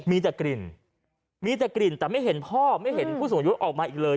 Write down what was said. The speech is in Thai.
มีแต่กลิ่นมีแต่กลิ่นแต่ไม่เห็นพ่อไม่เห็นผู้สูงอายุออกมาอีกเลย